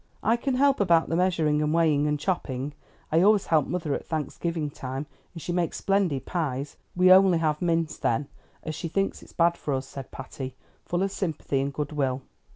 "I can help about the measuring and weighing, and chopping. I always help mother at Thanksgiving time, and she makes splendid pies. We only have mince then, as she thinks it's bad for us," said Patty, full of sympathy and good will.